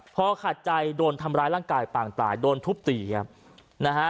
พอขาดใจโดนทำร้ายร่างกายปางตายโดนทุบตีครับนะฮะ